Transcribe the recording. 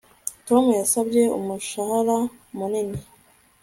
Tom yasabye umushahara munini